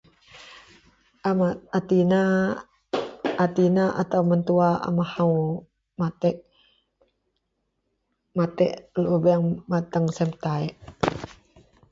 a ma a tina, a tina atau mentua a mahou matek, matek lubeang bateng sien metaek